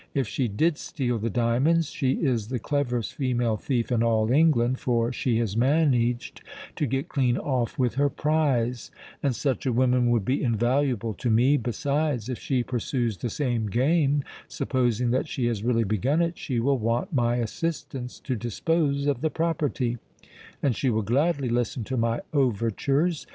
If she did steal the diamonds, she is the cleverest female thief in all England—for she has managed to get clean off with her prize; and such a woman would be invaluable to me. Besides, if she pursues the same game—supposing that she has really begun it—she will want my assistance to dispose of the property; and she will gladly listen to my overtures.